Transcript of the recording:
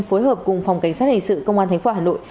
phối hợp cùng phòng cảnh sát hình sự công an thành phố hà nội